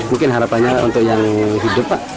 mungkin harapannya untuk yang hidup pak